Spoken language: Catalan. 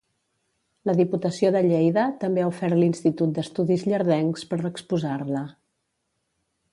La Diputació de Lleida també ha ofert l'Institut d'Estudis Ilerdencs per exposar-la.